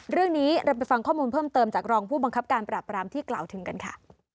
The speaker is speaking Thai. เรื่องนี้เราไปฟังข้อมูลเพิ่มเติมจากรองผู้บังคับการปราบรามที่กล่าวถึงกันค่ะ